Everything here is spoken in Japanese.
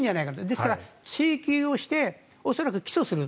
ですから、追及をして恐らく起訴する。